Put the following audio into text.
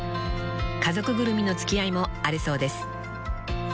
［家族ぐるみの付き合いもあるそうです］